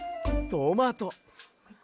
トマト。